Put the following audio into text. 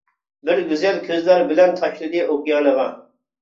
بىر گۈزەل كۆزلەر بىلەن، تاشلىدى ئوكيانىغا.